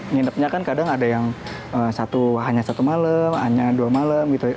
nginepnya kan kadang ada yang hanya satu malam hanya dua malam gitu